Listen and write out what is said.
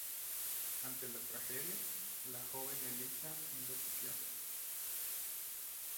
Ante la tragedia, la joven Elisa enloqueció.